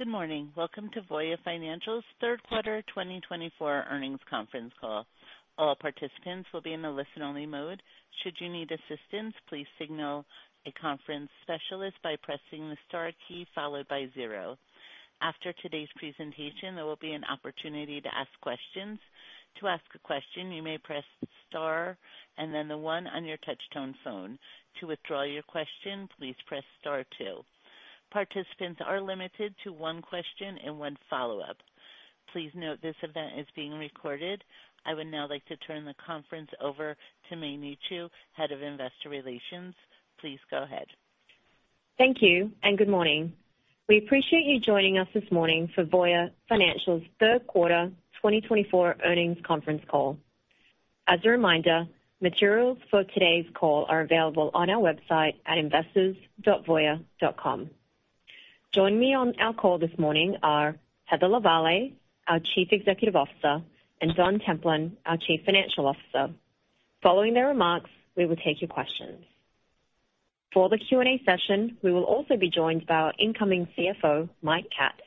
Good morning. Welcome to Voya Financial's third quarter 2024 earnings conference call. All participants will be in a listen-only mode. Should you need assistance, please signal a conference specialist by pressing the star key followed by zero. After today's presentation, there will be an opportunity to ask questions. To ask a question, you may press star and then the one on your touch-tone phone. To withdraw your question, please press star two. Participants are limited to one question and one follow-up. Please note this event is being recorded. I would now like to turn the conference over to Mei Ni Chu, Head of Investor Relations. Please go ahead. Thank you and good morning. We appreciate you joining us this morning for Voya Financial's third quarter 2024 earnings conference call. As a reminder, materials for today's call are available on our website at investors.voya.com. Joining me on our call this morning are Heather Lavallee, our Chief Executive Officer, and Don Templin, our Chief Financial Officer. Following their remarks, we will take your questions. For the Q&A session, we will also be joined by our incoming CFO, Mike Katz,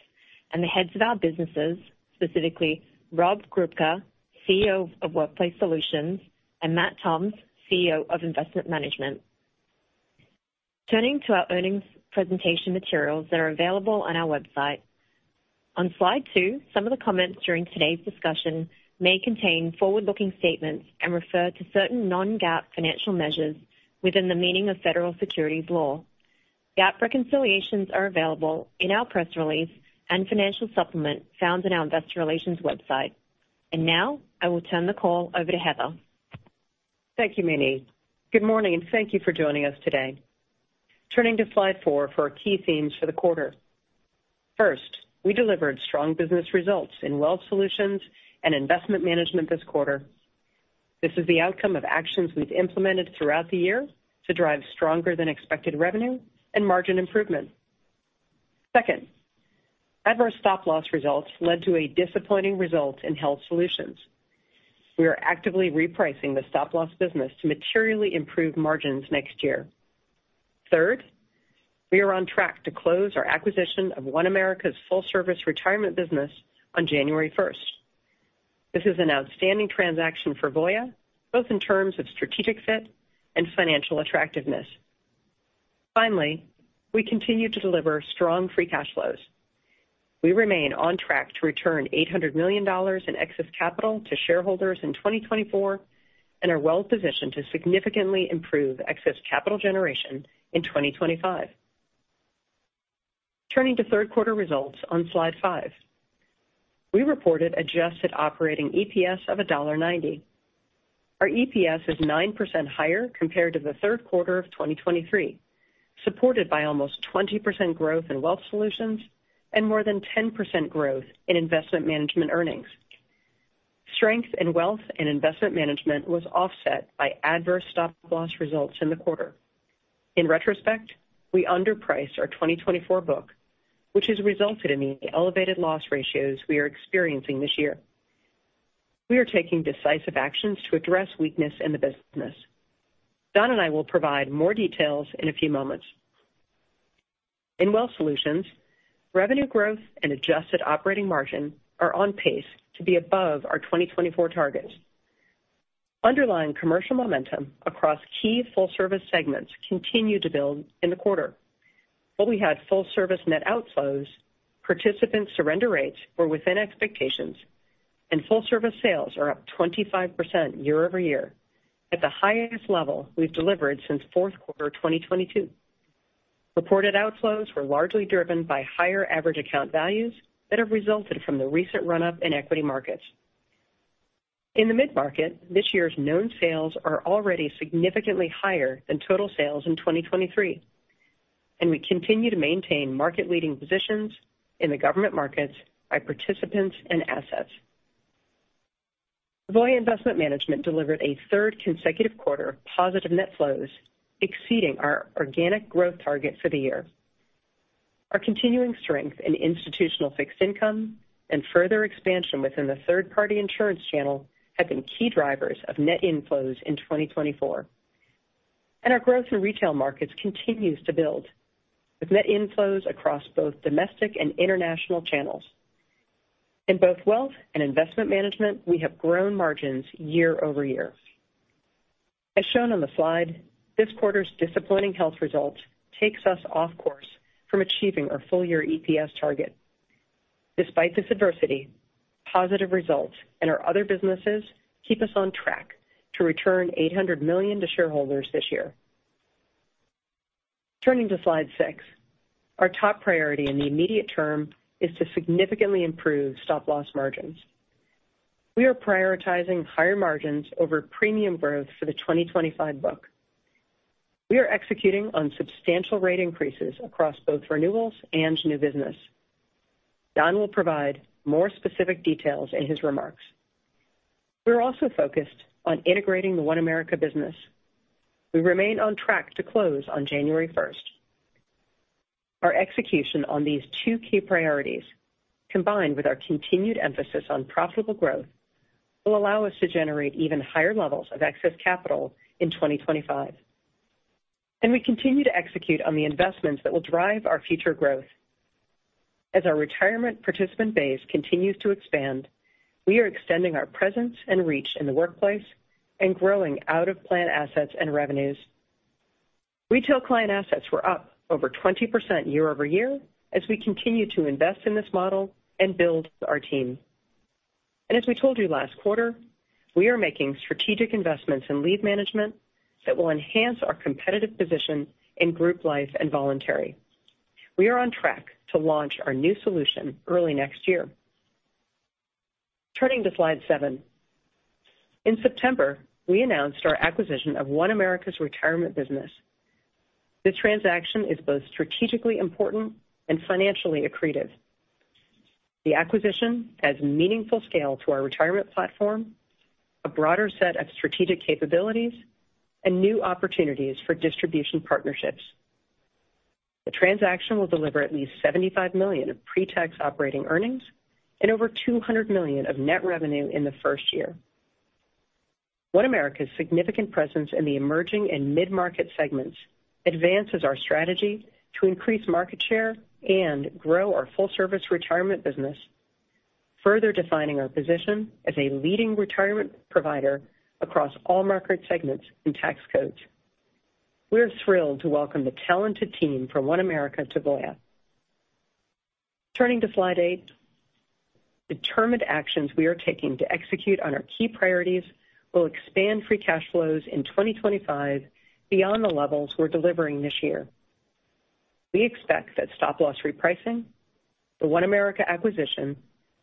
and the heads of our businesses, specifically Rob Grubka, CEO of Workplace Solutions, and Matt Toms, CEO of Investment Management. Turning to our earnings presentation materials that are available on our website. On slide two, some of the comments during today's discussion may contain forward-looking statements and refer to certain non-GAAP financial measures within the meaning of federal securities law. GAAP reconciliations are available in our press release and financial supplement found on our investor relations website. And now, I will turn the call over to Heather. Thank you, Mei Ni. Good morning and thank you for joining us today. Turning to slide four for our key themes for the quarter. First, we delivered strong business results in Wealth Solutions and Investment Management this quarter. This is the outcome of actions we've implemented throughout the year to drive stronger-than-expected revenue and margin improvement. Second, adverse stop-loss results led to a disappointing result in Health Solutions. We are actively repricing the stop-loss business to materially improve margins next year. Third, we are on track to close our acquisition of OneAmerica's full-service retirement business on January 1st. This is an outstanding transaction for Voya, both in terms of strategic fit and financial attractiveness. Finally, we continue to deliver strong free cash flows. We remain on track to return $800 million in excess capital to shareholders in 2024 and are well positioned to significantly improve excess capital generation in 2025. Turning to third quarter results on slide five, we reported adjusted operating EPS of $1.90. Our EPS is 9% higher compared to the third quarter of 2023, supported by almost 20% growth in Wealth Solutions and more than 10% growth in Investment Management earnings. Strength in Wealth Solutions and Investment Management was offset by adverse stop-loss results in the quarter. In retrospect, we underpriced our 2024 book, which has resulted in the elevated loss ratios we are experiencing this year. We are taking decisive actions to address weakness in the business. Don and I will provide more details in a few moments. In Wealth Solutions, revenue growth and adjusted operating margin are on pace to be above our 2024 targets. Underlying commercial momentum across key full-service segments continued to build in the quarter. While we had full-service net outflows, participants' surrender rates were within expectations, and full-service sales are up 25% year over year, at the highest level we've delivered since fourth quarter 2022. Reported outflows were largely driven by higher average account values that have resulted from the recent run-up in equity markets. In the mid-market, this year's known sales are already significantly higher than total sales in 2023, and we continue to maintain market-leading positions in the government markets by participants and assets. Voya Investment Management delivered a third consecutive quarter of positive net flows, exceeding our organic growth target for the year. Our continuing strength in institutional fixed income and further expansion within the third-party insurance channel have been key drivers of net inflows in 2024, and our growth in retail markets continues to build, with net inflows across both domestic and international channels. In both wealth and investment management, we have grown margins year over year. As shown on the slide, this quarter's disappointing health results take us off course from achieving our full-year EPS target. Despite this adversity, positive results in our other businesses keep us on track to return $800 million to shareholders this year. Turning to slide six, our top priority in the immediate term is to significantly improve stop-loss margins. We are prioritizing higher margins over premium growth for the 2025 book. We are executing on substantial rate increases across both renewals and new business. Don will provide more specific details in his remarks. We are also focused on integrating the OneAmerica business. We remain on track to close on January 1st. Our execution on these two key priorities, combined with our continued emphasis on profitable growth, will allow us to generate even higher levels of excess capital in 2025 and we continue to execute on the investments that will drive our future growth. As our retirement participant base continues to expand, we are extending our presence and reach in the workplace and growing out-of-plan assets and revenues. Retail client assets were up over 20% year over year as we continue to invest in this model and build our team. And as we told you last quarter, we are making strategic investments in lead management that will enhance our competitive position in group life and voluntary. We are on track to launch our new solution early next year. Turning to slide seven, in September, we announced our acquisition of OneAmerica's retirement business. This transaction is both strategically important and financially accretive. The acquisition adds meaningful scale to our retirement platform, a broader set of strategic capabilities, and new opportunities for distribution partnerships. The transaction will deliver at least $75 million of pre-tax operating earnings and over $200 million of net revenue in the first year. OneAmerica's significant presence in the emerging and mid-market segments advances our strategy to increase market share and grow our full-service retirement business, further defining our position as a leading retirement provider across all market segments and tax codes. We are thrilled to welcome the talented team from OneAmerica to Voya. Turning to slide eight, determined actions we are taking to execute on our key priorities will expand free cash flows in 2025 beyond the levels we're delivering this year. We expect that stop-loss repricing, the OneAmerica acquisition,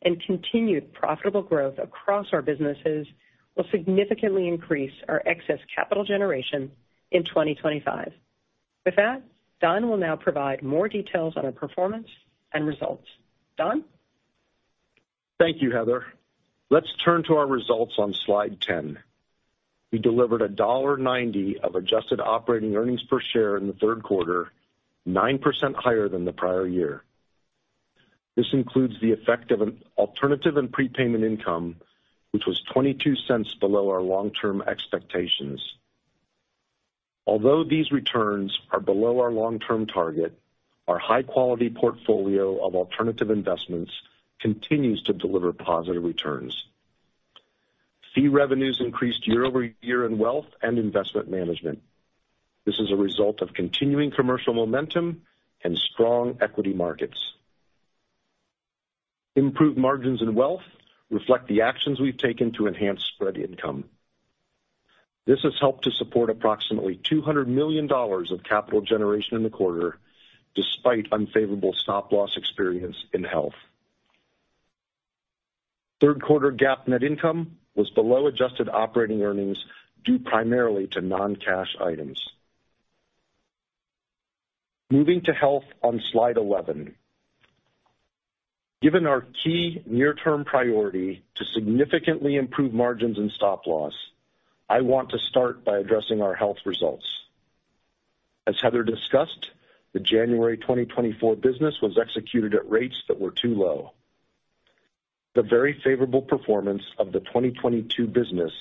and continued profitable growth across our businesses will significantly increase our excess capital generation in 2025. With that, Don will now provide more details on our performance and results. Don? Thank you, Heather. Let's turn to our results on slide 10. We delivered $1.90 of adjusted operating earnings per share in the third quarter, 9% higher than the prior year. This includes the effect of an alternative and prepayment income, which was $0.22 below our long-term expectations. Although these returns are below our long-term target, our high-quality portfolio of alternative investments continues to deliver positive returns. Fee revenues increased year over year in wealth and investment management. This is a result of continuing commercial momentum and strong equity markets. Improved margins in wealth reflect the actions we've taken to enhance spread income. This has helped to support approximately $200 million of capital generation in the quarter, despite unfavorable stop-loss experience in health. Third quarter GAAP net income was below adjusted operating earnings due primarily to non-cash items. Moving to health on slide 11. Given our key near-term priority to significantly improve margins and stop-loss, I want to start by addressing our health results. As Heather discussed, the January 2024 business was executed at rates that were too low. The very favorable performance of the 2022 business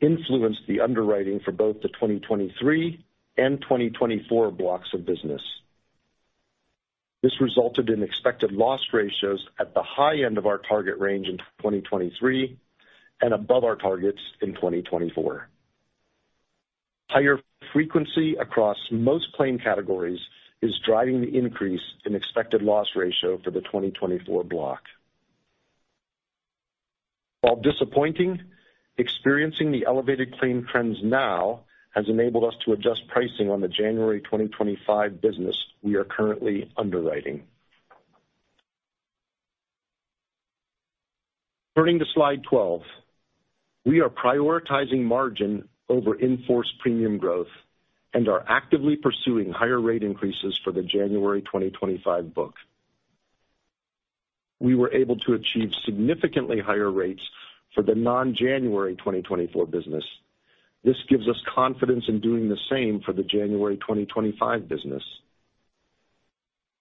influenced the underwriting for both the 2023 and 2024 blocks of business. This resulted in expected loss ratios at the high end of our target range in 2023 and above our targets in 2024. Higher frequency across most claim categories is driving the increase in expected loss ratio for the 2024 block. While disappointing, experiencing the elevated claim trends now has enabled us to adjust pricing on the January 2025 business we are currently underwriting. Turning to slide 12, we are prioritizing margin over in-force premium growth and are actively pursuing higher rate increases for the January 2025 book. We were able to achieve significantly higher rates for the non-January 2024 business. This gives us confidence in doing the same for the January 2025 business.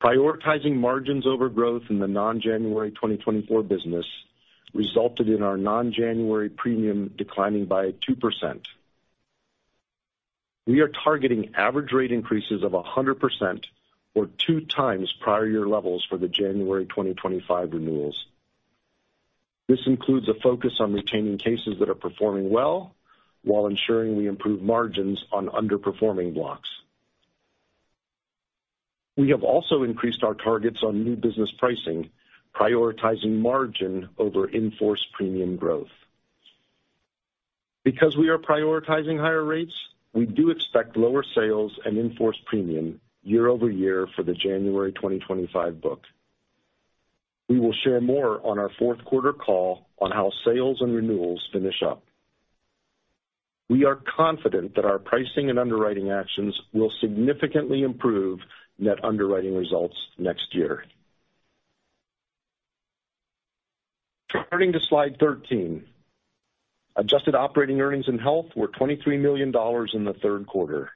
Prioritizing margins over growth in the non-January 2024 business resulted in our non-January premium declining by 2%. We are targeting average rate increases of 100% or two times prior-year levels for the January 2025 renewals. This includes a focus on retaining cases that are performing well while ensuring we improve margins on underperforming blocks. We have also increased our targets on new business pricing, prioritizing margin over in-force premium growth. Because we are prioritizing higher rates, we do expect lower sales and in-force premium year over year for the January 2025 book. We will share more on our fourth quarter call on how sales and renewals finish up. We are confident that our pricing and underwriting actions will significantly improve net underwriting results next year. Turning to slide 13, adjusted operating earnings in health were $23 million in the third quarter.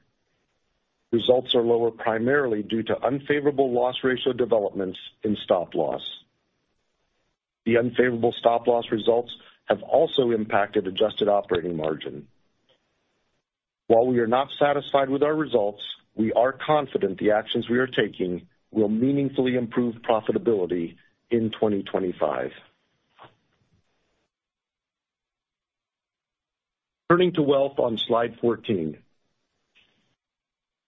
Results are lower primarily due to unfavorable loss ratio developments in stop-loss. The unfavorable stop-loss results have also impacted adjusted operating margin. While we are not satisfied with our results, we are confident the actions we are taking will meaningfully improve profitability in 2025. Turning to wealth on slide 14,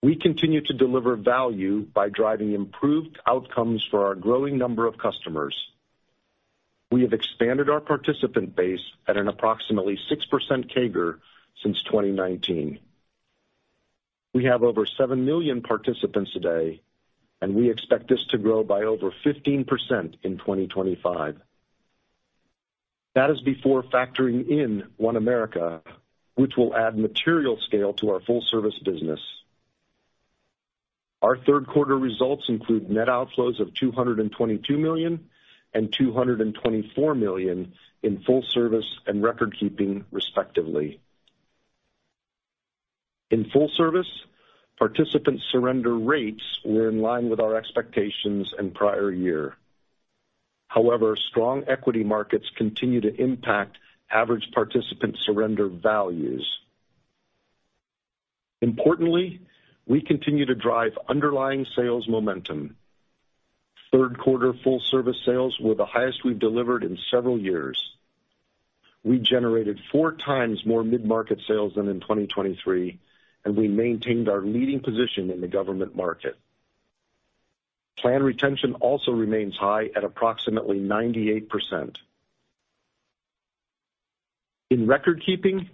we continue to deliver value by driving improved outcomes for our growing number of customers. We have expanded our participant base at an approximately 6% CAGR since 2019. We have over seven million participants today, and we expect this to grow by over 15% in 2025. That is before factoring in OneAmerica, which will add material scale to our full-service business. Our third quarter results include net outflows of $222 million and $224 million in full-service and record-keeping, respectively. In full-service, participant surrender rates were in line with our expectations in prior year. However, strong equity markets continue to impact average participant surrender values. Importantly, we continue to drive underlying sales momentum. Third quarter full-service sales were the highest we've delivered in several years. We generated four times more mid-market sales than in 2023, and we maintained our leading position in the government market. Plan retention also remains high at approximately 98%. In record-keeping,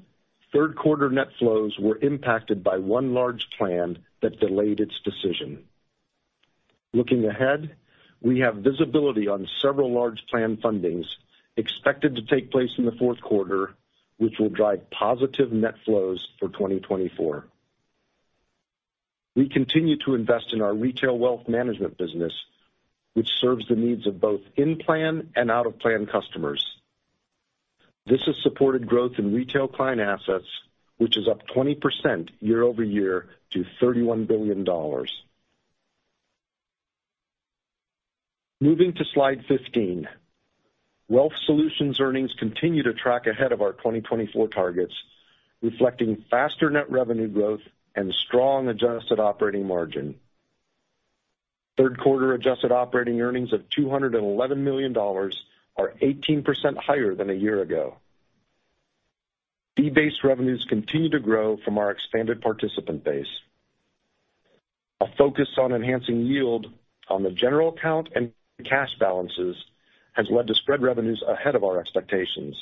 third quarter net flows were impacted by one large plan that delayed its decision. Looking ahead, we have visibility on several large plan fundings expected to take place in the fourth quarter, which will drive positive net flows for 2024. We continue to invest in our retail wealth management business, which serves the needs of both in-plan and out-of-plan customers. This has supported growth in retail client assets, which is up 20% year over year to $31 billion. Moving to slide 15, Wealth Solutions earnings continue to track ahead of our 2024 targets, reflecting faster net revenue growth and strong adjusted operating margin. Third quarter adjusted operating earnings of $211 million are 18% higher than a year ago. Fee-based revenues continue to grow from our expanded participant base. A focus on enhancing yield on the General Account and cash balances has led to spread revenues ahead of our expectations.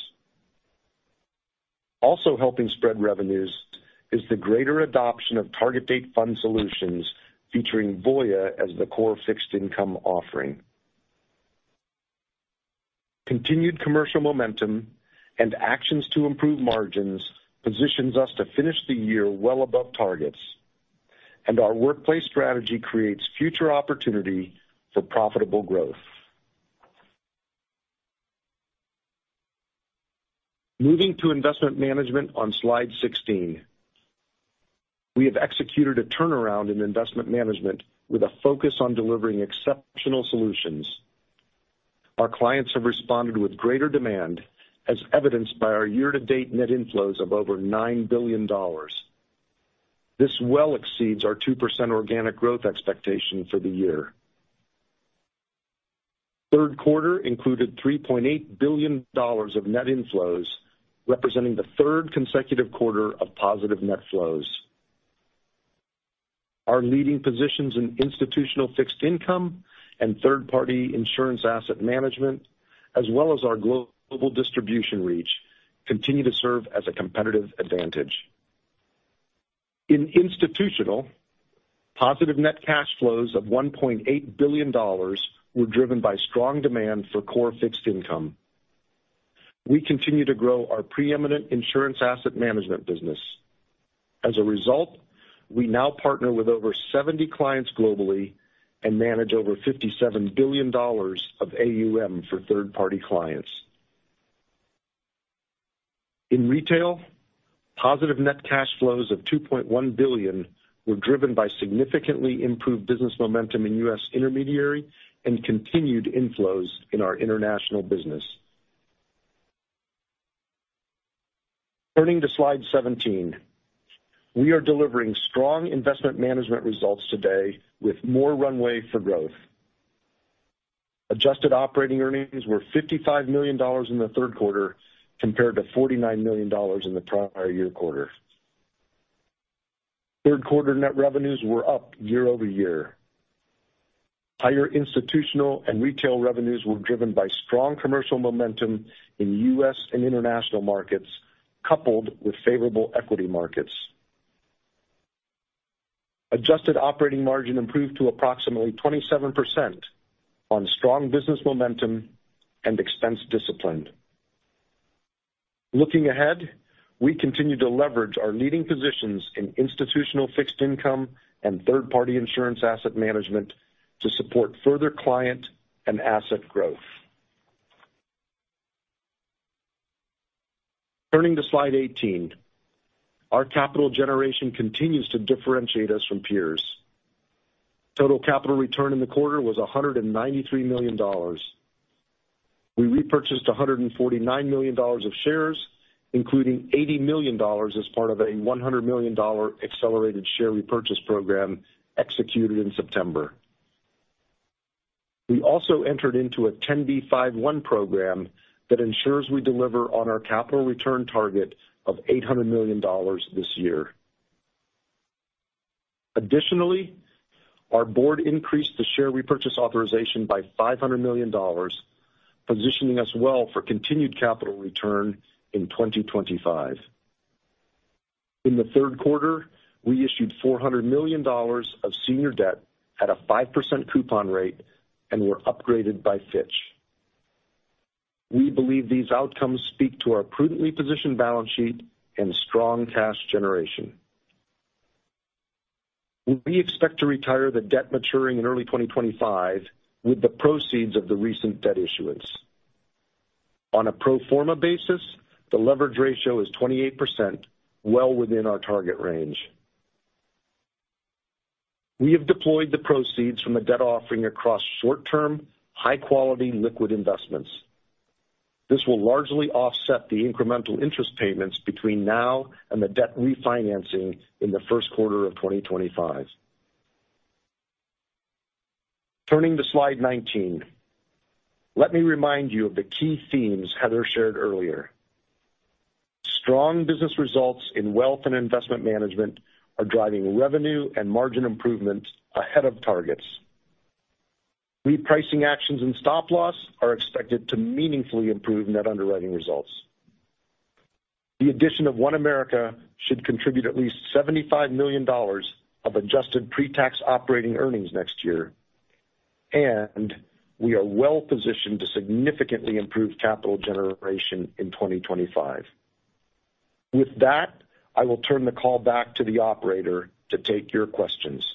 Also helping spread revenues is the greater adoption of Target Date Fund solutions featuring Voya as the core fixed income offering. Continued commercial momentum and actions to improve margins positions us to finish the year well above targets, and our workplace strategy creates future opportunity for profitable growth. Moving to investment management on slide 16, we have executed a turnaround in investment management with a focus on delivering exceptional solutions. Our clients have responded with greater demand, as evidenced by our year-to-date net inflows of over $9 billion. This well exceeds our 2% organic growth expectation for the year. Third quarter included $3.8 billion of net inflows, representing the third consecutive quarter of positive net flows. Our leading positions in institutional fixed income and third-party insurance asset management, as well as our global distribution reach, continue to serve as a competitive advantage. In institutional, positive net cash flows of $1.8 billion were driven by strong demand for core fixed income. We continue to grow our preeminent insurance asset management business. As a result, we now partner with over 70 clients globally and manage over $57 billion of AUM for third-party clients. In retail, positive net cash flows of $2.1 billion were driven by significantly improved business momentum in U.S. intermediary and continued inflows in our international business. Turning to slide 17, we are delivering strong investment management results today with more runway for growth. Adjusted operating earnings were $55 million in the third quarter compared to $49 million in the prior year quarter. Third quarter net revenues were up year over year. Higher institutional and retail revenues were driven by strong commercial momentum in U.S. and international markets, coupled with favorable equity markets. Adjusted operating margin improved to approximately 27% on strong business momentum and expense discipline. Looking ahead, we continue to leverage our leading positions in institutional fixed income and third-party insurance asset management to support further client and asset growth. Turning to slide 18, our capital generation continues to differentiate us from peers. Total capital return in the quarter was $193 million. We repurchased $149 million of shares, including $80 million as part of a $100 million accelerated share repurchase program executed in September. We also entered into a 10b5-1 program that ensures we deliver on our capital return target of $800 million this year. Additionally, our board increased the share repurchase authorization by $500 million, positioning us well for continued capital return in 2025. In the third quarter, we issued $400 million of senior debt at a 5% coupon rate and were upgraded by Fitch. We believe these outcomes speak to our prudently positioned balance sheet and strong cash generation. We expect to retire the debt maturing in early 2025 with the proceeds of the recent debt issuance. On a pro forma basis, the leverage ratio is 28%, well within our target range. We have deployed the proceeds from the debt offering across short-term, high-quality liquid investments. This will largely offset the incremental interest payments between now and the debt refinancing in the first quarter of 2025. Turning to slide 19, let me remind you of the key themes Heather shared earlier. Strong business results in wealth and investment management are driving revenue and margin improvement ahead of targets. Repricing actions and stop-loss are expected to meaningfully improve net underwriting results. The addition of OneAmerica should contribute at least $75 million of adjusted pre-tax operating earnings next year, and we are well positioned to significantly improve capital generation in 2025. With that, I will turn the call back to the operator to take your questions.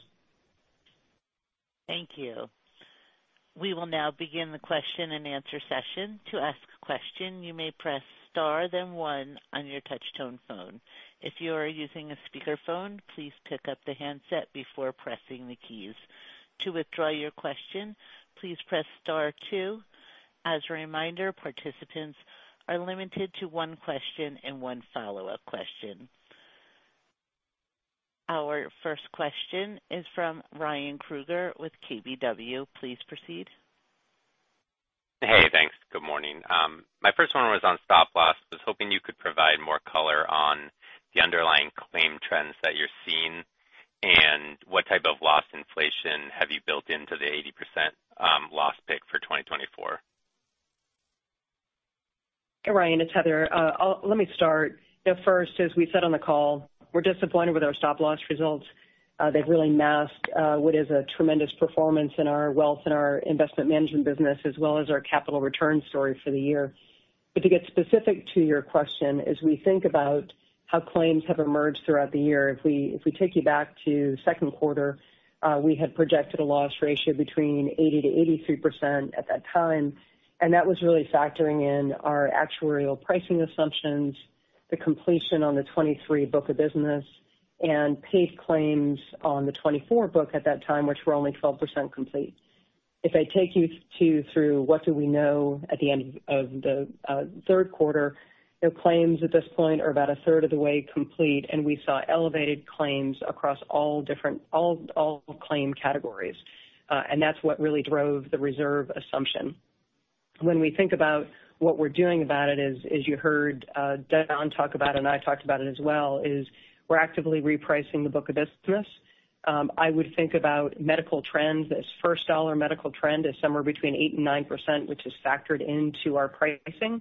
Thank you. We will now begin the question and answer session. To ask a question, you may press star, then one on your touch-tone phone. If you are using a speakerphone, please pick up the handset before pressing the keys. To withdraw your question, please press star two. As a reminder, participants are limited to one question and one follow-up question. Our first question is from Ryan Krueger with KBW. Please proceed. Hey, thanks. Good morning. My first one was on stop-loss. I was hoping you could provide more color on the underlying claim trends that you're seeing and what type of loss inflation have you built into the 80% loss pick for 2024. Hey, Ryan. It's Heather. Let me start. First, as we said on the call, we're disappointed with our stop-loss results. They've really masked what is a tremendous performance in our wealth and our investment management business, as well as our capital return story for the year. But to get specific to your question, as we think about how claims have emerged throughout the year, if we take you back to second quarter, we had projected a loss ratio between 80%-83% at that time, and that was really factoring in our actuarial pricing assumptions, the completion on the 2023 book of business, and paid claims on the 2024 book at that time, which were only 12% complete. If I take you through what do we know at the end of the third quarter, claims at this point are about a third of the way complete, and we saw elevated claims across all claim categories. And that's what really drove the reserve assumption. When we think about what we're doing about it, as you heard Don talk about, and I talked about it as well, is we're actively repricing the book of business. I would think about medical trends. This first dollar medical trend is somewhere between 8% and 9%, which is factored into our pricing.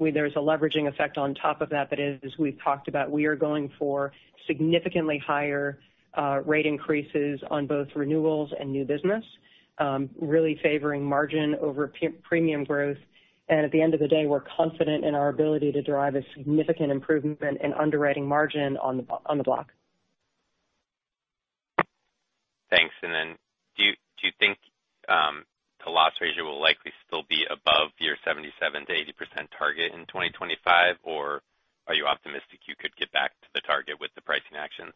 There's a leveraging effect on top of that. But as we've talked about, we are going for significantly higher rate increases on both renewals and new business, really favoring margin over premium growth. And at the end of the day, we're confident in our ability to drive a significant improvement in underwriting margin on the block. Thanks. And then do you think the loss ratio will likely still be above your 77% to 80% target in 2025, or are you optimistic you could get back to the target with the pricing actions?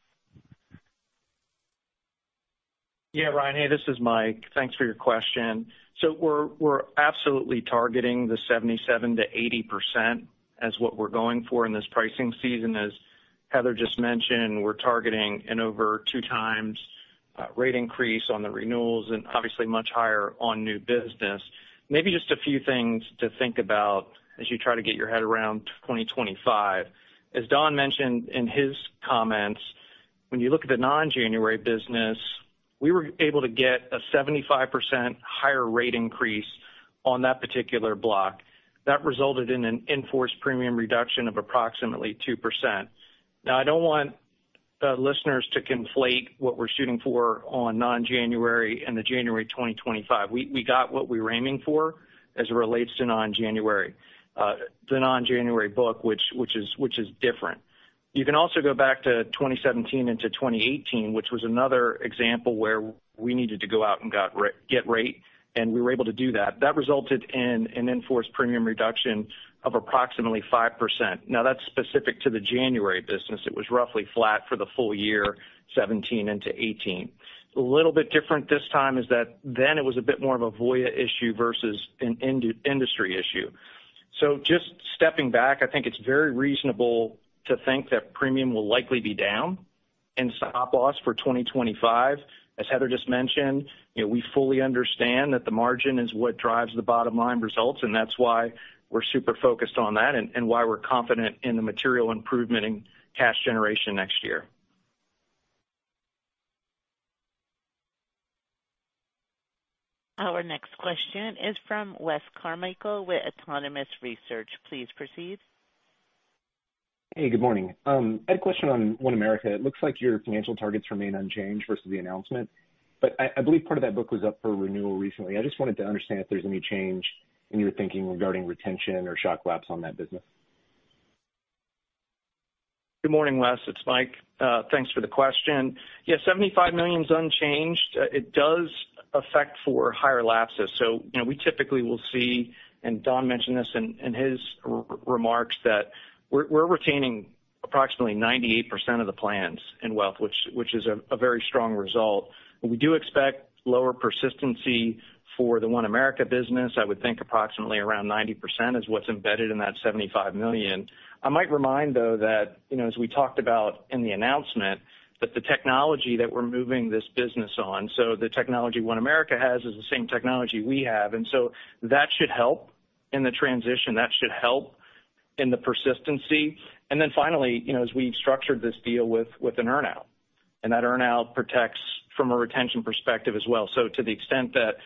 Yeah, Ryan. Hey, this is Mike. Thanks for your question. We're absolutely targeting the 77%-80% as what we're going for in this pricing season. As Heather just mentioned, we're targeting an over two times rate increase on the renewals and obviously much higher on new business. Maybe just a few things to think about as you try to get your head around 2025. As Don mentioned in his comments, when you look at the non-January business, we were able to get a 75% higher rate increase on that particular block. That resulted in an in-force premium reduction of approximately 2%. Now, I don't want listeners to conflate what we're shooting for on non-January and the January 2025. We got what we were aiming for as it relates to non-January, the non-January book, which is different. You can also go back to 2017 into 2018, which was another example where we needed to go out and get rate, and we were able to do that. That resulted in an enforced premium reduction of approximately 5%. Now, that's specific to the January business. It was roughly flat for the full year, 2017 into 2018. A little bit different this time is that then it was a bit more of a Voya issue versus an industry issue. So just stepping back, I think it's very reasonable to think that premium will likely be down and stop-loss for 2025. As Heather just mentioned, we fully understand that the margin is what drives the bottom line results, and that's why we're super focused on that and why we're confident in the material improvement in cash generation next year. Our next question is from Wes Carmichael with Autonomous Research. Please proceed. Hey, good morning. I had a question on OneAmerica. It looks like your financial targets remain unchanged versus the announcement, but I believe part of that book was up for renewal recently. I just wanted to understand if there's any change in your thinking regarding retention or shock lapses on that business. Good morning, Wes. It's Mike. Thanks for the question. Yeah, $75 million is unchanged. It does account for higher lapses. So we typically will see, and Don mentioned this in his remarks, that we're retaining approximately 98% of the plans in wealth, which is a very strong result. We do expect lower persistency for the OneAmerica business. I would think approximately around 90% is what's embedded in that $75 million. I might remind, though, that as we talked about in the announcement, that the technology that we're moving this business on, so the technology OneAmerica has is the same technology we have. And so that should help in the transition. That should help in the persistency. And then finally, as we structured this deal with an earnout, and that earnout protects from a retention perspective as well. So to the extent that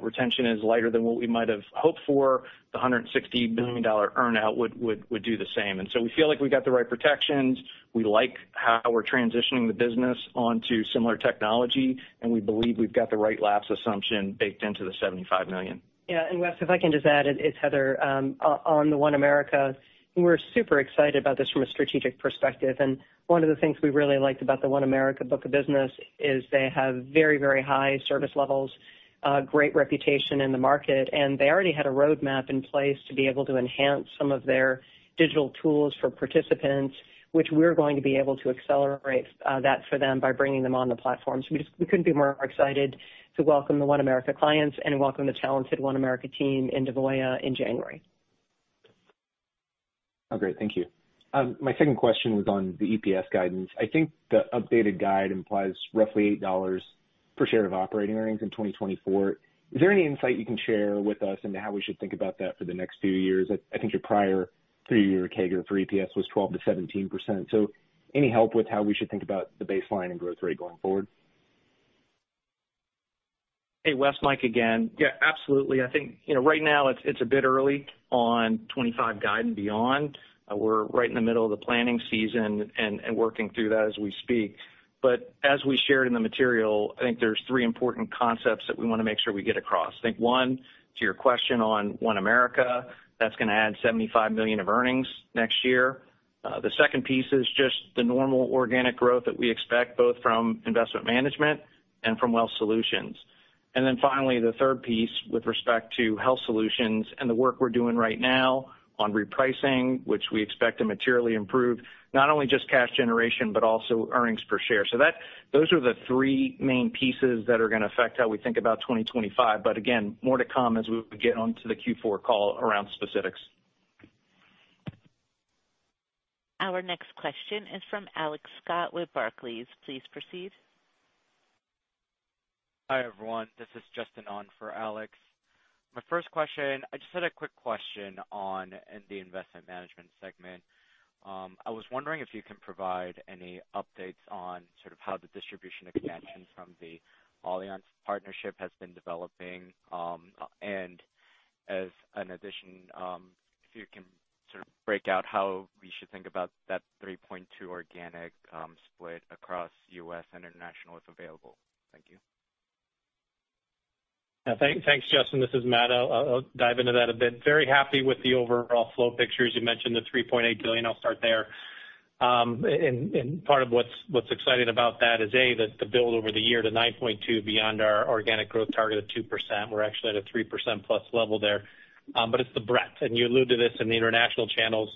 retention is lighter than what we might have hoped for, the $160 million earnout would do the same. And so we feel like we've got the right protections. We like how we're transitioning the business onto similar technology, and we believe we've got the right lapse assumption baked into the $75 million. Yeah. And Wes, if I can just add, it's Heather on the OneAmerica. We're super excited about this from a strategic perspective and one of the things we really liked about the One America book of business is they have very, very high service levels, great reputation in the market, and they already had a roadmap in place to be able to enhance some of their digital tools for participants, which we're going to be able to accelerate that for them by bringing them on the platform. So we couldn't be more excited to welcome the OneAmerica clients and welcome the talented OneAmerica team into Voya in January. Oh, great. Thank you. My second question was on the EPS guidance. I think the updated guide implies roughly $8 per share of operating earnings in 2024. Is there any insight you can share with us into how we should think about that for the next few years? I think your prior three-year CAGR for EPS was 12%-17%. Any help with how we should think about the baseline and growth rate going forward? Hey, Wes, Mike again. Yeah, absolutely. I think right now it's a bit early on 2025 guide and beyond. We're right in the middle of the planning season and working through that as we speak. But as we shared in the material, I think there's three important concepts that we want to make sure we get across. I think one, to your question on OneAmerica, that's going to add $75 million of earnings next year. The second piece is just the normal organic growth that we expect both from Investment Management and from Wealth Solutions and then finally, the third piece with respect to Health Solutions and the work we're doing right now on repricing, which we expect to materially improve not only just cash generation, but also earnings per share. So those are the three main pieces that are going to affect how we think about 2025 but again, more to come as we get onto the Q4 call around specifics. Our next question is from Alex Scott with Barclays. Please proceed. Hi everyone. This is Justin on for Alex. My first question, I just had a quick question on the investment management segment. I was wondering if you can provide any updates on sort of how the distribution expansion from the Allianz partnership has been developing. And as an addition, if you can sort of break out how we should think about that $3.2 billion organic split across U.S. and international if available. Thank you. Thanks, Justin. This is Matt. I'll dive into that a bit. Very happy with the overall flow pictures. You mentioned the $3.8 billion. I'll start there. Part of what's exciting about that is A, the build over the year to 9.2% beyond our organic growth target of 2%. We're actually at a 3% plus level there. It's the breadth. You alluded to this in the international channels,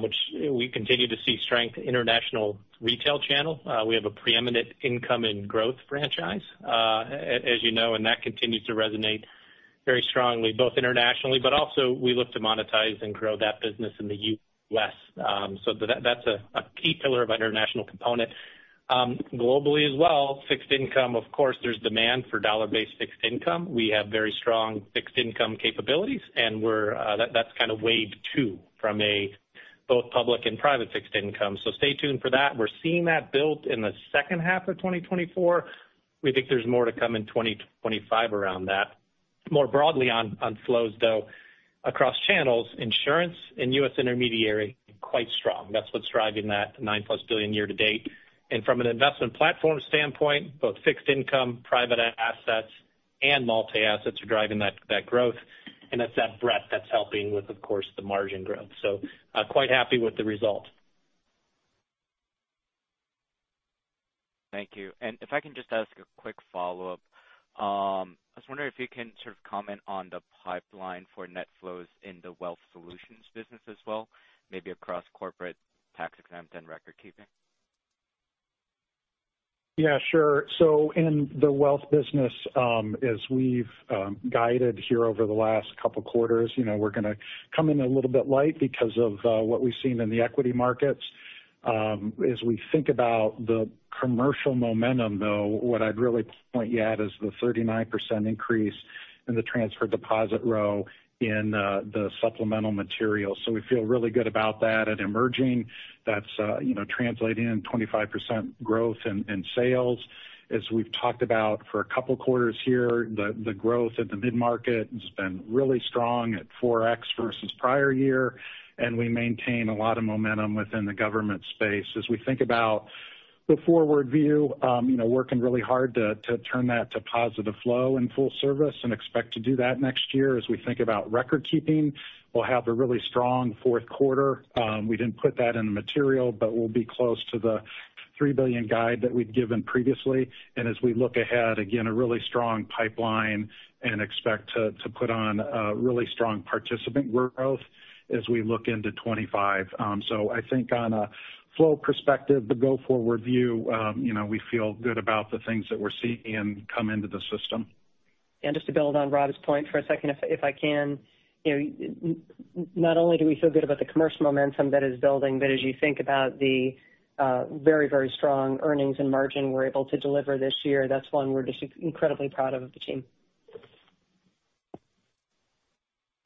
which we continue to see strength. International retail channel, we have a preeminent Income and Growth franchise, as you know, and that continues to resonate very strongly both internationally, but also we look to monetize and grow that business in the U.S. That's a key pillar of our international component. Globally as well, fixed income, of course, there's demand for dollar-based fixed income. We have very strong fixed income capabilities, and that's kind of wave two from both public and private fixed income. Stay tuned for that. We're seeing that built in the second half of 2024. We think there's more to come in 2025 around that. More broadly on flows, though, across channels, insurance and U.S. intermediary quite strong. That's what's driving that $9-plus billion year to date and from an investment platform standpoint, both fixed income, private assets, and multi-assets are driving that growth. And that's that breadth that's helping with, of course, the margin growth. So quite happy with the result. Thank you. And if I can just ask a quick follow-up, I was wondering if you can sort of comment on the pipeline for net flows in the Wealth Solutions business as well, maybe across corporate tax-exempt and record-keeping. Yeah, sure. So in the Wealth business, as we've guided here over the last couple of quarters, we're going to come in a little bit light because of what we've seen in the equity markets. As we think about the commercial momentum, though, what I'd really point you at is the 39% increase in the transfer deposit row in the supplemental material. So we feel really good about that at emerging. That's translating in 25% growth in sales. As we've talked about for a couple of quarters here, the growth at the mid-market has been really strong at 4x versus prior year, and we maintain a lot of momentum within the government space. As we think about the forward view, working really hard to turn that to positive flow in full service and expect to do that next year. As we think about record-keeping, we'll have a really strong fourth quarter. We didn't put that in the material, but we'll be close to the $3 billion guide that we'd given previously. And as we look ahead, again, a really strong pipeline and expect to put on really strong participant growth as we look into 2025. So I think on a flow perspective, the go-forward view, we feel good about the things that we're seeing come into the system. And just to build on Rob's point for a second, if I can, not only do we feel good about the commercial momentum that is building, but as you think about the very, very strong earnings and margin we're able to deliver this year, that's one we're just incredibly proud of the team.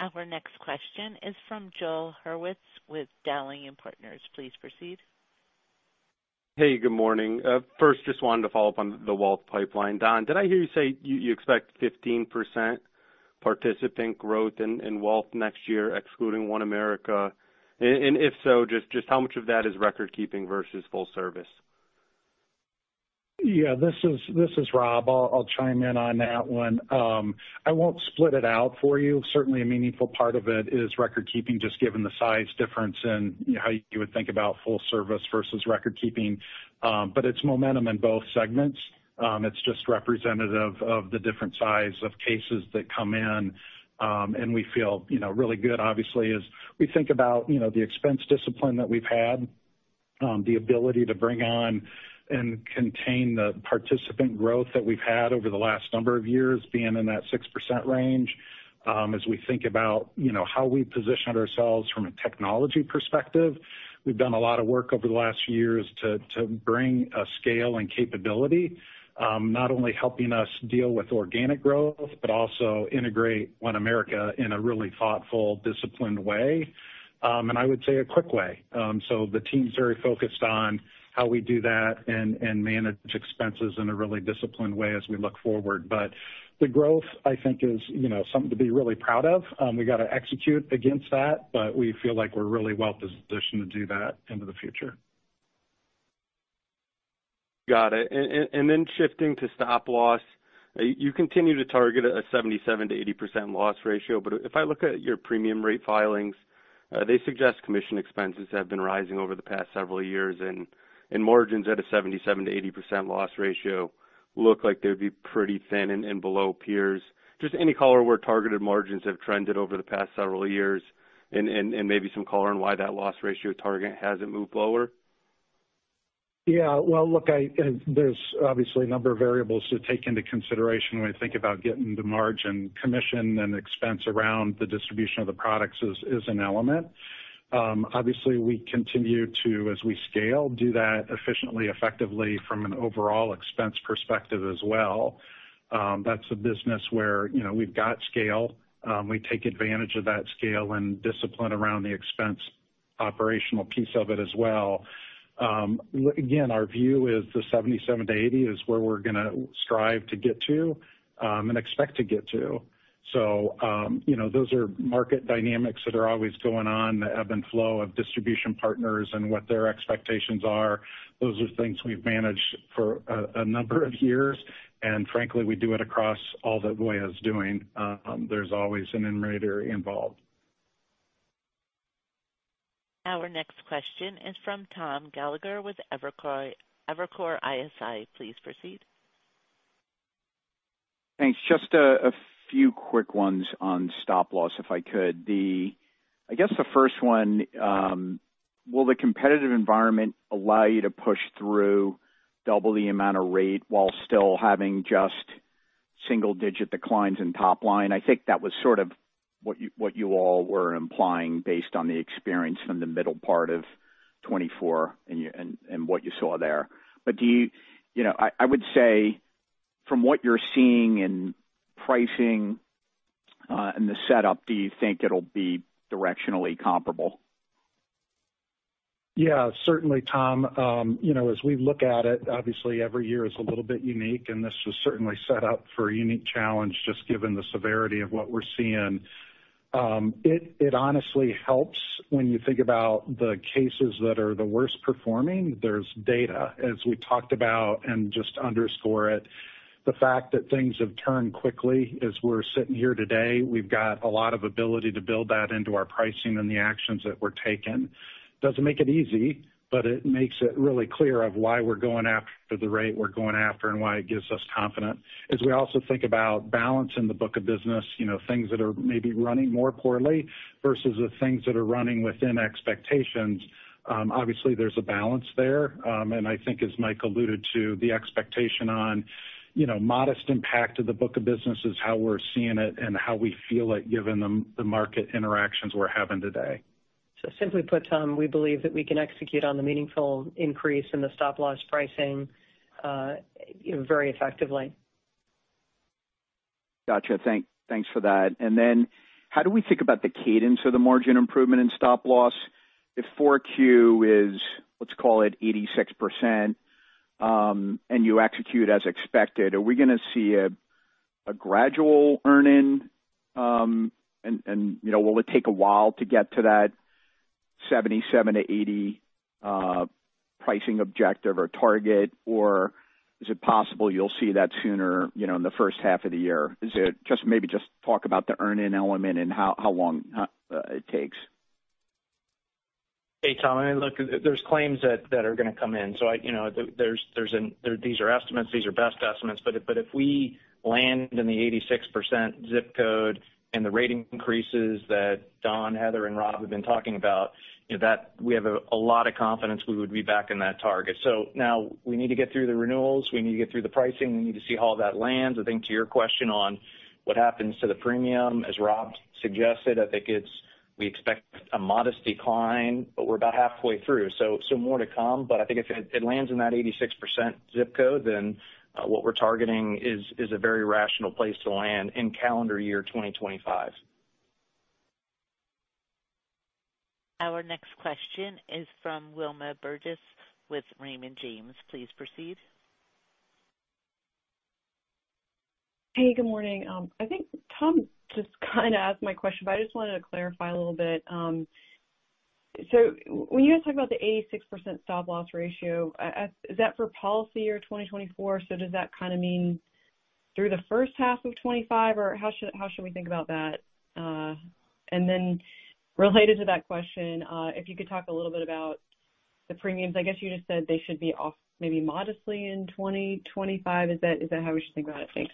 Our next question is from Joel Hurwitz with Dowling & Partners. Please proceed. Hey, good morning. First, just wanted to follow up on the wealth pipeline. Don, did I hear you say you expect 15% participant growth in wealth next year, excluding OneAmerica? And if so, just how much of that is record-keeping versus full service? Yeah, this is Rob. I'll chime in on that one. I won't split it out for you. Certainly, a meaningful part of it is record-keeping, just given the size difference in how you would think about full service versus record-keeping. But it's momentum in both segments. It's just representative of the different size of cases that come in and we feel really good, obviously, as we think about the expense discipline that we've had, the ability to bring on and contain the participant growth that we've had over the last number of years being in that 6% range. As we think about how we positioned ourselves from a technology perspective, we've done a lot of work over the last years to bring a scale and capability, not only helping us deal with organic growth, but also integrate OneAmerica in a really thoughtful, disciplined way, and I would say a quick way, so the team's very focused on how we do that and manage expenses in a really disciplined way as we look forward, but the growth, I think, is something to be really proud of. We got to execute against that, but we feel like we're really well-positioned to do that into the future. Got it, and then shifting to stop-loss, you continue to target a 77%-80% loss ratio. But if I look at your premium rate filings, they suggest commission expenses have been rising over the past several years, and margins at a 77%-80% loss ratio look like they would be pretty thin and below peers. Just any color where targeted margins have trended over the past several years and maybe some color on why that loss ratio target hasn't moved lower? Yeah. Well, look, there's obviously a number of variables to take into consideration when we think about getting the margin. Commission and expense around the distribution of the products is an element. Obviously, we continue to, as we scale, do that efficiently, effectively from an overall expense perspective as well. That's a business where we've got scale. We take advantage of that scale and discipline around the expense operational piece of it as well. Again, our view is the 77%-80% is where we're going to strive to get to and expect to get to. So those are market dynamics that are always going on, the ebb and flow of distribution partners and what their expectations are. Those are things we've managed for a number of years. And frankly, we do it across all that Voya is doing. There's always an innovator involved. Our next question is from Tom Gallagher with Evercore ISI. Please proceed. Thanks. Just a few quick ones on stop-loss if I could. I guess the first one, will the competitive environment allow you to push through double the amount of rate while still having just single-digit declines in top line? I think that was sort of what you all were implying based on the experience from the middle part of 2024 and what you saw there. But I would say, from what you're seeing in pricing and the setup, do you think it'll be directionally comparable? Yeah, certainly, Tom. As we look at it, obviously, every year is a little bit unique, and this was certainly set up for a unique challenge just given the severity of what we're seeing. It honestly helps when you think about the cases that are the worst performing. There's data, as we talked about, and just underscore it. The fact that things have turned quickly as we're sitting here today, we've got a lot of ability to build that into our pricing and the actions that were taken. Doesn't make it easy, but it makes it really clear of why we're going after the rate we're going after and why it gives us confidence. As we also think about balance in the book of business, things that are maybe running more poorly versus the things that are running within expectations, obviously, there's a balance there. And I think, as Mike alluded to, the expectation on modest impact of the book of business is how we're seeing it and how we feel it given the market interactions we're having today. So simply put, we believe that we can execute on the meaningful increase in the stop-loss pricing very effectively. Gotcha. Thanks for that. And then how do we think about the cadence of the margin improvement in stop-loss? If 4Q is, let's call it 86%, and you execute as expected, are we going to see a gradual earning? And will it take a while to get to that 77%-80% pricing objective or target, or is it possible you'll see that sooner in the first half of the year? Just maybe talk about the earning element and how long it takes. Hey, Tom, I mean, look, there's claims that are going to come in. So these are estimates. These are best estimates. But if we land in the 86% zip code and the rate increases that Don, Heather, and Rob have been talking about, we have a lot of confidence we would be back in that target. So now we need to get through the renewals. We need to get through the pricing. We need to see how all that lands. I think to your question on what happens to the premium, as Rob suggested, I think we expect a modest decline, but we're about halfway through. So more to come. But I think if it lands in that 86% zip code, then what we're targeting is a very rational place to land in calendar year 2025. Our next question is from Wilma Burdis with Raymond James. Please proceed. Hey, good morning. I think Tom just kind of asked my question, but I just wanted to clarify a little bit. So when you guys talk about the 86% stop-loss ratio, is that for policy year 2024? So does that kind of mean through the first half of 2025, or how should we think about that? And then related to that question, if you could talk a little bit about the premiums. I guess you just said they should be off maybe modestly in 2025. Is that how we should think about it? Thanks.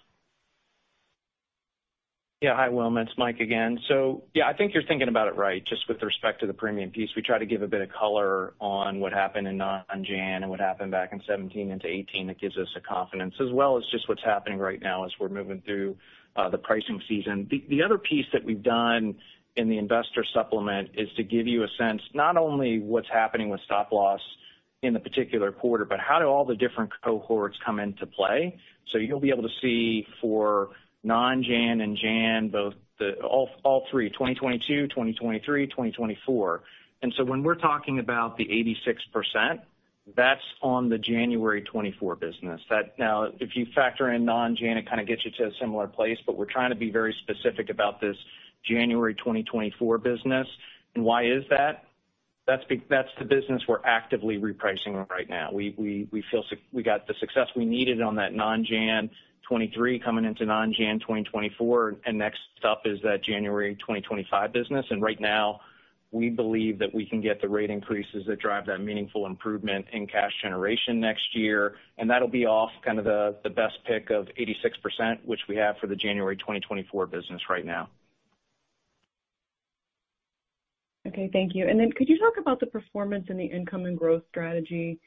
Yeah, hi, Wilma. It's Mike again. So yeah, I think you're thinking about it right, just with respect to the premium piece. We try to give a bit of color on what happened in non-Jan and what happened back in 2017 into 2018. That gives us a confidence, as well as just what's happening right now as we're moving through the pricing season. The other piece that we've done in the investor supplement is to give you a sense not only of what's happening with stop-loss in the particular quarter, but how do all the different cohorts come into play. So you'll be able to see for non-Jan and Jan, both all three, 2022, 2023, 2024. And so when we're talking about the 86%, that's on the January 2024 business. Now, if you factor in non-Jan, it kind of gets you to a similar place, but we're trying to be very specific about this January 2024 business. And why is that? That's the business we're actively repricing right now. We got the success we needed on that non-Jan 2023 coming into non-Jan 2024. And next up is that January 2025 business. And right now, we believe that we can get the rate increases that drive that meaningful improvement in cash generation next year. And that'll be off kind of the best pick of 86%, which we have for the January 2024 business right now. Okay. Thank you. And then could you talk about the performance in the income and growth strategy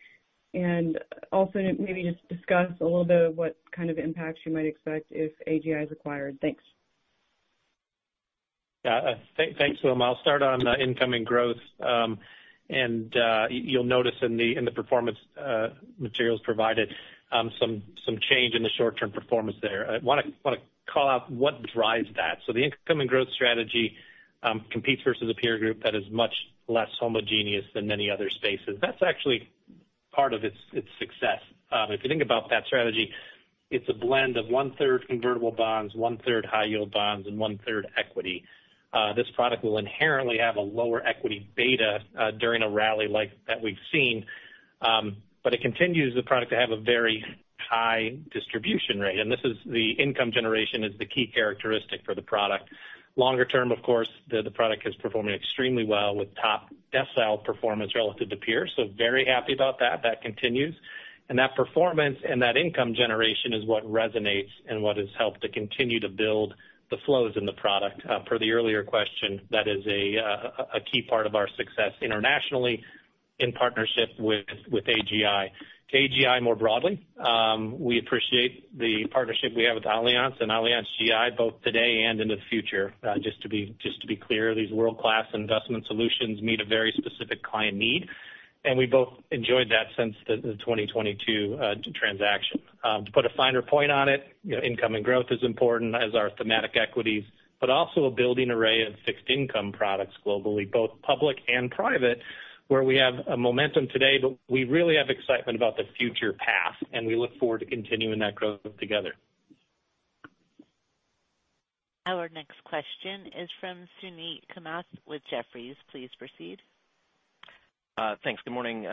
and also maybe just discuss a little bit of what kind of impacts you might expect if AGI is acquired? Thanks. Yeah. Thanks, Wilma. I'll start on the income and growth. And you'll notice in the performance materials provided some change in the short-term performance there. I want to call out what drives that. So the income and growth strategy competes versus a peer group that is much less homogeneous than many other spaces. That's actually part of its success. If you think about that strategy, it's a blend of one-third convertible bonds, one-third high-yield bonds, and one-third equity. This product will inherently have a lower equity beta during a rally like that we've seen. But it continues the product to have a very high distribution rate. And the income generation is the key characteristic for the product. Longer term, of course, the product has performed extremely well with top-decile performance relative to peers. So very happy about that. That continues. And that performance and that income generation is what resonates and what has helped to continue to build the flows in the product. Per the earlier question, that is a key part of our success internationally in partnership with AGI. To AGI more broadly, we appreciate the partnership we have with Allianz and AllianzGI, both today and into the future. Just to be clear, these world-class investment solutions meet a very specific client need. And we both enjoyed that since the 2022 transaction. To put a finer point on it, income and growth is important as our thematic equities, but also a building array of fixed income products globally, both public and private, where we have a momentum today, but we really have excitement about the future path. And we look forward to continuing that growth together. Our next question is from Suneet Kamath with Jefferies. Please proceed. Thanks. Good morning.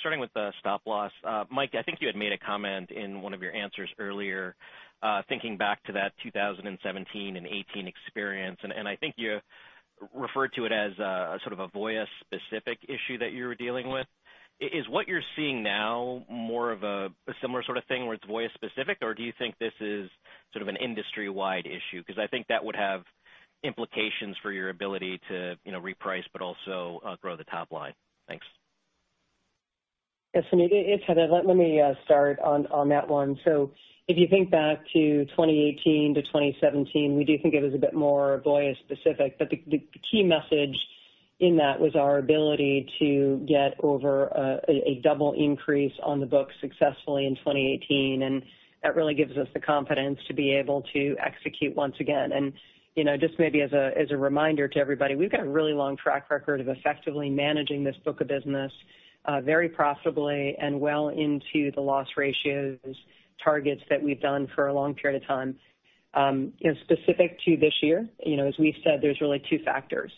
Starting with the stop-loss, Mike, I think you had made a comment in one of your answers earlier, thinking back to that 2017 and 2018 experience. And I think you referred to it as sort of a Voya-specific issue that you were dealing with. Is what you're seeing now more of a similar sort of thing where it's Voya-specific, or do you think this is sort of an industry-wide issue? Because I think that would have implications for your ability to reprice, but also grow the top line. Thanks. Yes, Suneet. It's Heather. Let me start on that one. So if you think back to 2018 to 2017, we do think it was a bit more Voya-specific. But the key message in that was our ability to get over a double increase on the books successfully in 2018. And that really gives us the confidence to be able to execute once again and just maybe as a reminder to everybody, we've got a really long track record of effectively managing this book of business very profitably and well into the loss ratios targets that we've done for a long period of time. Specific to this year, as we said, there's really two factors.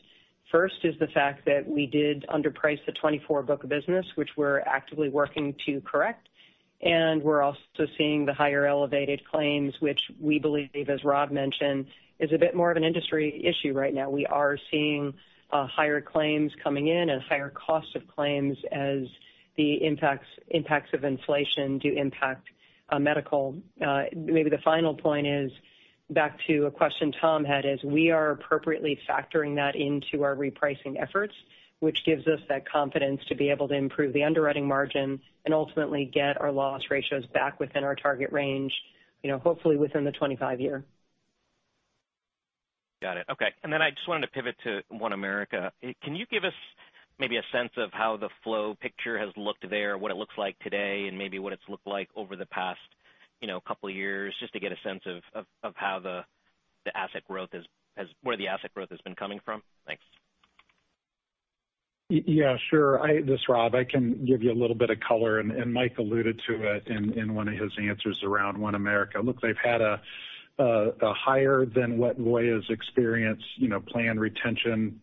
First is the fact that we did underprice the 2024 book of business, which we're actively working to correct. And we're also seeing the higher elevated claims, which we believe, as Rob mentioned, is a bit more of an industry issue right now. We are seeing higher claims coming in and higher costs of claims as the impacts of inflation do impact medical. Maybe the final point is back to a question Tom had is we are appropriately factoring that into our repricing efforts, which gives us that confidence to be able to improve the underwriting margin and ultimately get our loss ratios back within our target range, hopefully within the 2025 year. Got it. Okay. And then I just wanted to pivot to OneAmerica. Can you give us maybe a sense of how the flow picture has looked there, what it looks like today, and maybe what it's looked like over the past couple of years, just to get a sense of how the asset growth has been coming from? Thanks. Yeah, sure. This is Rob. I can give you a little bit of color, and Mike alluded to it in one of his answers around OneAmerica. Look, they've had a higher than what Voya's experienced plan retention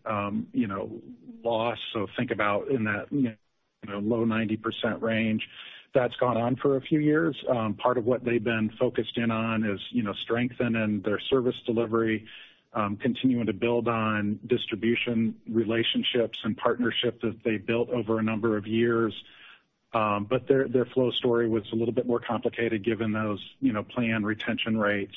loss. So think about in that low 90% range. That's gone on for a few years. Part of what they've been focused in on is strengthening their service delivery, continuing to build on distribution relationships and partnerships that they built over a number of years. But their flow story was a little bit more complicated given those plan retention rates.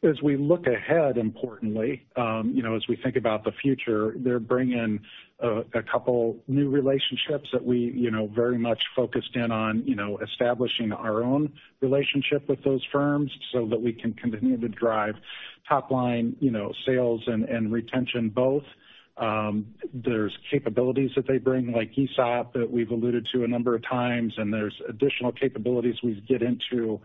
As we look ahead, importantly, as we think about the future, they're bringing a couple of new relationships that we very much focused in on establishing our own relationship with those firms so that we can continue to drive top-line sales and retention both. There's capabilities that they bring, like ESOP, that we've alluded to a number of times and there's additional capabilities we get into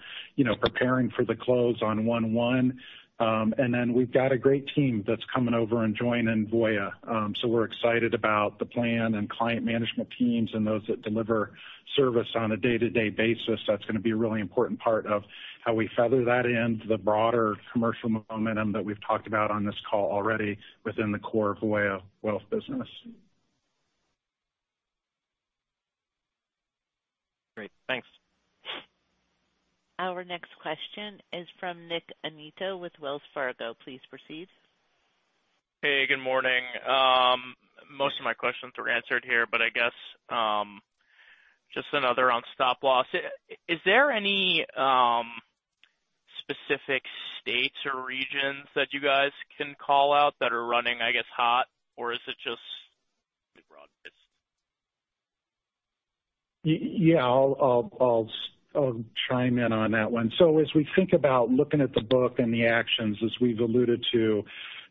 preparing for the close on 2011 and then we've got a great team that's coming over and joining Voya. So we're excited about the plan and client management teams and those that deliver service on a day-to-day basis. That's going to be a really important part of how we feather that into the broader commercial momentum that we've talked about on this call already within the core of Voya Wealth Business. Great. Thanks. Our next question is from Nick Annitto with Wells Fargo. Please proceed. Hey, good morning. Most of my questions were answered here, but I guess just another on stop-loss. Is there any specific states or regions that you guys can call out that are running, I guess, hot? Or is it just broad-based? Yeah, I'll chime in on that one. So as we think about looking at the book and the actions, as we've alluded to,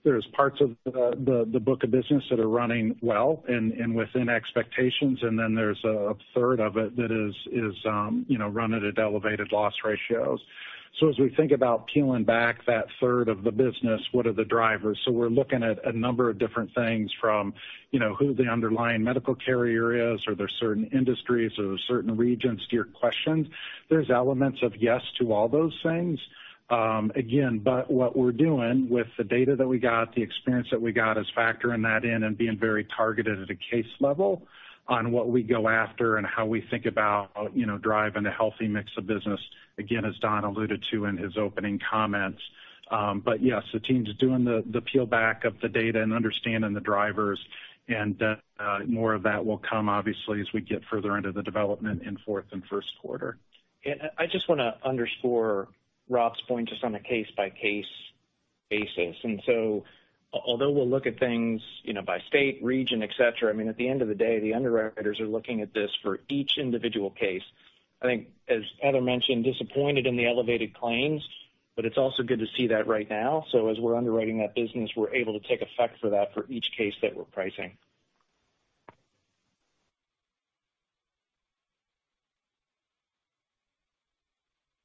there's parts of the book of business that are running well and within expectations. And then there's a third of it that is running at elevated loss ratios. So as we think about peeling back that third of the business, what are the drivers? So we're looking at a number of different things from who the underlying medical carrier is, are there certain industries, are there certain regions to your questions? There's elements of yes to all those things. Again, but what we're doing with the data that we got, the experience that we got is factoring that in and being very targeted at a case level on what we go after and how we think about driving a healthy mix of business, again, as Don alluded to in his opening comments. But yes, the team's doing the peel back of the data and understanding the drivers and more of that will come, obviously, as we get further into the development in fourth and first quarter and I just want to underscore Rob's point just on a case-by-case basis and so although we'll look at things by state, region, etc. I mean, at the end of the day, the underwriters are looking at this for each individual case. I think, as Heather mentioned, disappointed in the elevated claims, but it's also good to see that right now. So as we're underwriting that business, we're able to take effect for that for each case that we're pricing.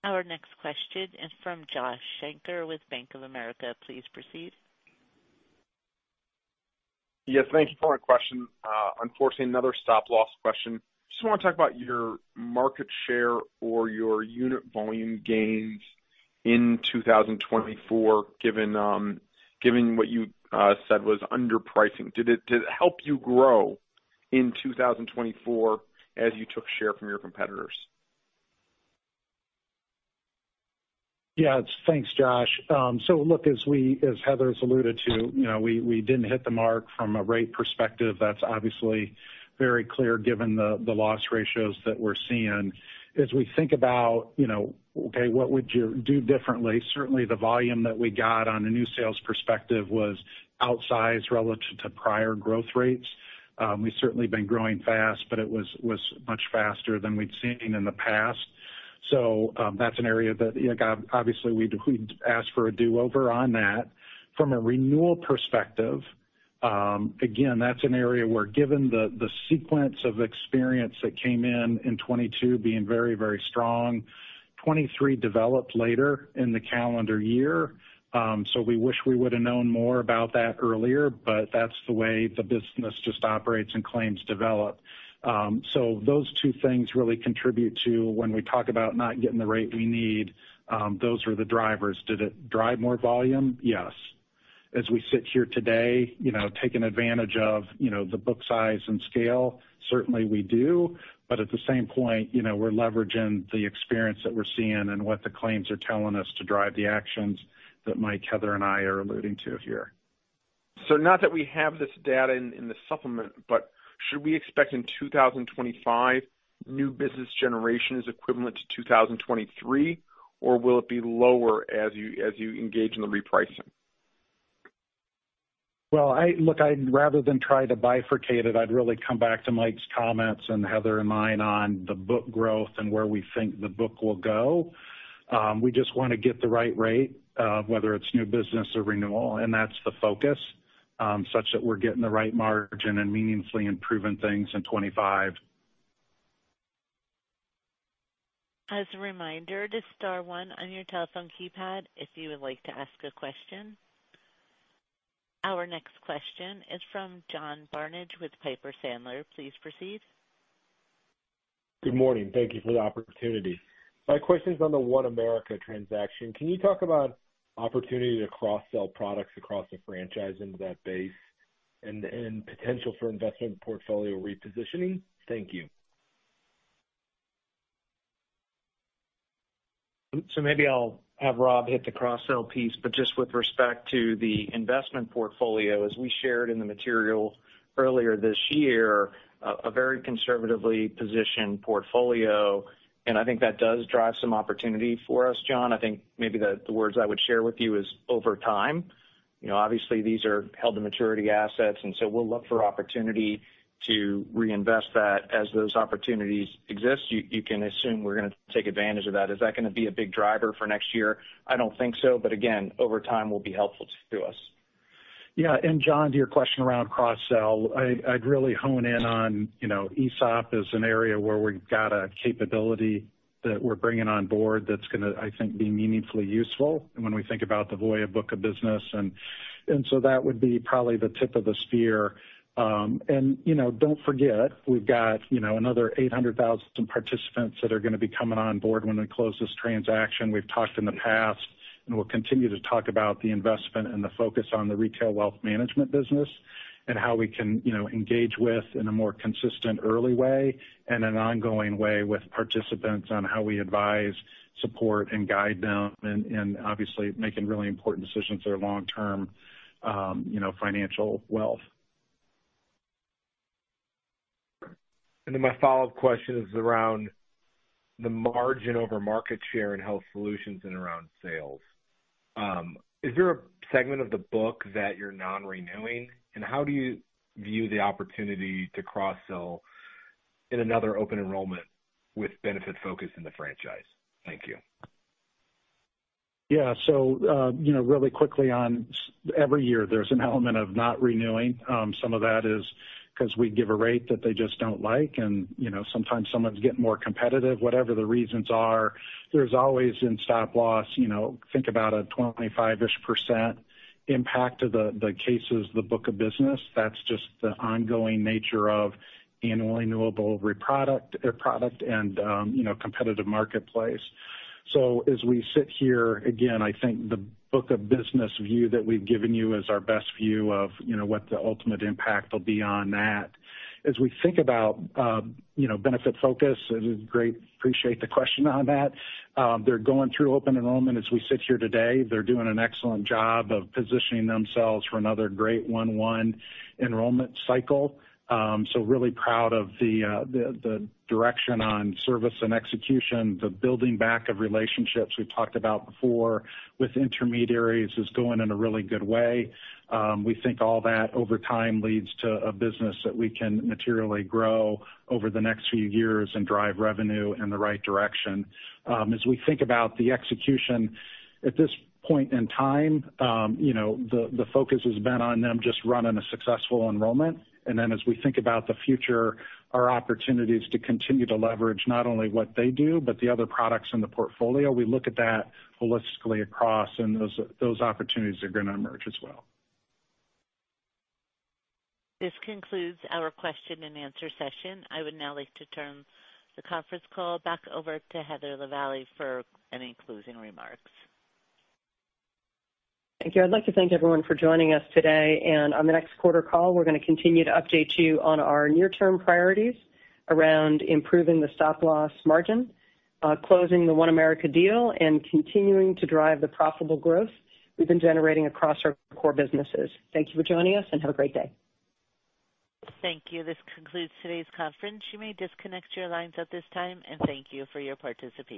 Our next question is from Josh Shanker with Bank of America. Please proceed. Yes, thank you for the question. Unfortunately, another stop-loss question. Just want to talk about your market share or your unit volume gains in 2024, given what you said was underpricing. Did it help you grow in 2024 as you took share from your competitors? Yeah, thanks, Josh. So look, as Heather's alluded to, we didn't hit the mark from a rate perspective. That's obviously very clear given the loss ratios that we're seeing. As we think about, okay, what would you do differently, certainly the volume that we got on a new sales perspective was outsized relative to prior growth rates. We've certainly been growing fast, but it was much faster than we'd seen in the past. So that's an area that, obviously, we'd ask for a do-over on that. From a renewal perspective, again, that's an area where, given the sequence of experience that came in in 2022 being very, very strong, 2023 developed later in the calendar year. So we wish we would have known more about that earlier, but that's the way the business just operates and claims develop. So those two things really contribute to when we talk about not getting the rate we need, those are the drivers. Did it drive more volume? Yes. As we sit here today, taking advantage of the book size and scale, certainly we do. But at the same point, we're leveraging the experience that we're seeing and what the claims are telling us to drive the actions that Mike, Heather, and I are alluding to here. So not that we have this data in the supplement, but should we expect in 2025 new business generation is equivalent to 2023, or will it be lower as you engage in the repricing? Well, look, rather than try to bifurcate it, I'd really come back to Mike's comments and Heather and mine on the book growth and where we think the book will go. We just want to get the right rate, whether it's new business or renewal and that's the focus, such that we're getting the right margin and meaningfully improving things in 2025. As a reminder, to star one on your telephone keypad if you would like to ask a question. Our next question is from John Barnidge with Piper Sandler. Please proceed. Good morning. Thank you for the opportunity. My question is on the One America transaction. Can you talk about opportunity to cross-sell products across a franchise into that base and potential for investment portfolio repositioning? Thank you. So maybe I'll have Rob hit the cross-sell piece, but just with respect to the investment portfolio, as we shared in the material earlier this year, a very conservatively positioned portfolio and I think that does drive some opportunity for us, John. I think maybe the words I would share with you is over time. Obviously, these are held to maturity assets. And so we'll look for opportunity to reinvest that as those opportunities exist. You can assume we're going to take advantage of that. Is that going to be a big driver for next year? I don't think so. But again, over time will be helpful to us. Yeah. John, to your question around cross-sell, I'd really hone in on ESOP as an area where we've got a capability that we're bringing on board that's going to, I think, be meaningfully useful when we think about the Voya book of business. So that would be probably the tip of the spear and don't forget, we've got another 800,000 participants that are going to be coming on board when we close this transaction. We've talked in the past, and we'll continue to talk about the investment and the focus on the retail wealth management business and how we can engage with in a more consistent early way and an ongoing way with participants on how we advise, support, and guide them, and obviously making really important decisions that are long-term financial wealth. Then my follow-up question is around the margin over market share in Health Solutions and around sales. Is there a segment of the book that you're non-renewing? And how do you view the opportunity to cross-sell in another open enrollment with Benefitfocus in the franchise? Thank you. Yeah. So really quickly on every year, there's an element of not renewing. Some of that is because we give a rate that they just don't like. And sometimes someone's getting more competitive, whatever the reasons are. There's always in stop-loss, think about a 25-ish% impact to the cases, the book of business. That's just the ongoing nature of annual renewable product and competitive marketplace. So as we sit here, again, I think the book of business view that we've given you is our best view of what the ultimate impact will be on that. As we think about Benefitfocus, it is great. Appreciate the question on that. They're going through open enrollment as we sit here today. They're doing an excellent job of positioning themselves for another great open enrollment cycle, so really proud of the direction on service and execution. The building back of relationships we've talked about before with intermediaries is going in a really good way. We think all that over time leads to a business that we can materially grow over the next few years and drive revenue in the right direction. As we think about the execution at this point in time, the focus has been on them just running a successful enrollment, and then as we think about the future, our opportunities to continue to leverage not only what they do, but the other products in the portfolio. We look at that holistically across, and those opportunities are going to emerge as well. This concludes our question and answer session. I would now like to turn the conference call back over to Heather Lavallee for any closing remarks. Thank you. I'd like to thank everyone for joining us today, and on the next quarter call, we're going to continue to update you on our near-term priorities around improving the stop-loss margin, closing the OneAmerica deal, and continuing to drive the profitable growth we've been generating across our core businesses. Thank you for joining us, and have a great day. Thank you. This concludes today's conference. You may disconnect your lines at this time, and thank you for your participation.